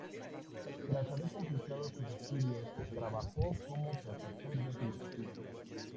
Tras haber completado sus estudios, trabajó como profesor de filosofía.